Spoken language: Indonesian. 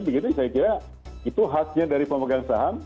begitu saya kira itu haknya dari pemegang saham